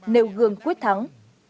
nêu gương quyết thắng